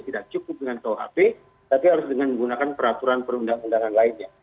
tidak cukup dengan kuhp tapi harus dengan menggunakan peraturan perundang undangan lainnya